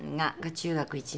中学１年。